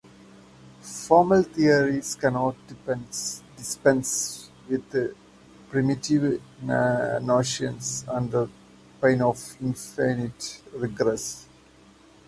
Formal theories cannot dispense with primitive notions, under pain of infinite regress.